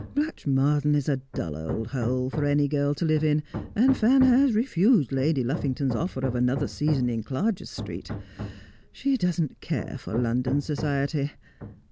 Blatchmardean is a dull old hole for any girl to live in, and Fan has refused Lady Luff ington's offer of another season in Clarges Street. She doesn't care for London society.